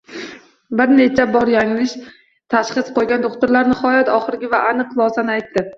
Bir necha bor yanglish tashxis qoʻygan doʻxtirlar nihoyat oxirgi va aniq xulosani aytdi